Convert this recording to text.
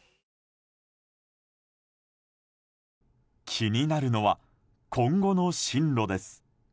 気になるのは今後の進路です。